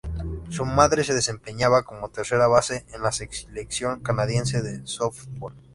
Su madre se desempeñaba como tercera base en la selección canadiense de sóftbol.